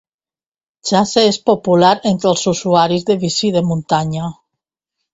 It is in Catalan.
Chase és popular entre els usuaris de bici de muntanya.